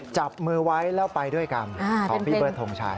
จับมือไว้แล้วไปด้วยกันของพี่เบิร์ดทงชัย